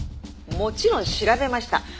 もちろん調べました。